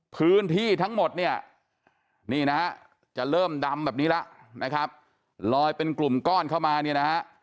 พื้นที่ทั้งหมดเนี่ยนี่นะฮะจะเริ่มดำแบบนี้แล้วนะครับลอยเป็นกลุ่มก้อนเข้ามาเนี่ยนะฮะ